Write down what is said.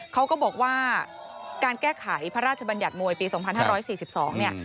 เขาก็บอกว่าการแก้ไขพระราชบัญญัติมวยปี๒๕๔๒เนี่ย